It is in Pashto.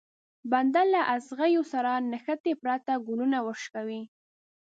بنده له ازغيو سره له نښتې پرته ګلونه ورشکوي.